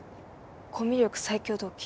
コミュ力最強同期。